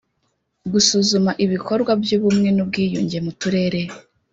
gusuzuma ibikorwa by ubumwe n ubwiyunge mu turere